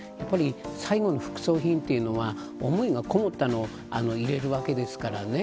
最後の副葬品というのは思いがこもった物を入れるわけですからね。